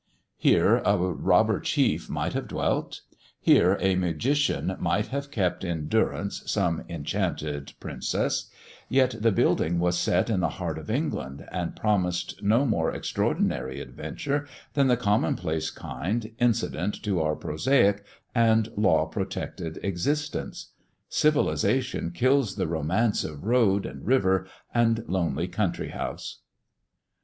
Here a robber chief might have dwelt ; here a magician might have kept in durance some enchanted princess ; yet the building was set in the heart of England, and promised no more extraordinary adventure than the commonplace kind, incident to our prosaic and law protected existence. Civilization kills the romance of road, and river, and lonely country house.